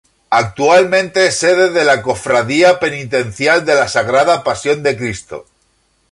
Actualmente es sede de la Cofradía penitencial de la Sagrada Pasión de Cristo.